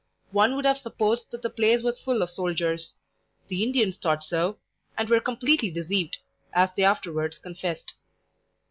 One would have supposed that the place was full of soldiers. The Indians thought so, and were completely deceived, as they afterwards confessed.